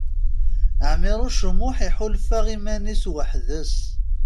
Ɛmiṛuc U Muḥ iḥulfa iman-is weḥd-s.